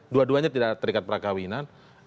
dua duanya tidak terikat perkawinan